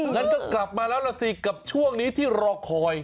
งั้นก็กลับมาแล้วล่ะสิกับช่วงนี้ที่รอคอย